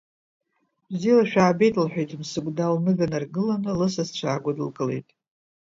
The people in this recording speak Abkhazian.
Бзиала шәаабеит, — лҳәеит Мсыгәда лныга наргыланы лысасцәа аагәыдылкылеит.